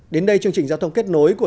đến đây chương trình giao thông kết nối của